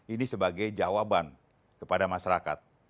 ini sebagai jawaban kepada masyarakat